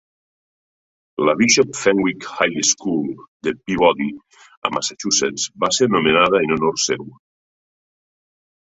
La Bishop Fenwick High School de Peabody a Massachusetts va ser nomenada en honor seu.